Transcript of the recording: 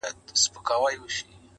پلار په یو وخت په مکتب کي شامل کړله,